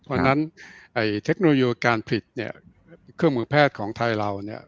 เพราะฉะนั้นเทคโนโลยีการผลิตเนี่ยเครื่องมือแพทย์ของไทยเราเนี่ย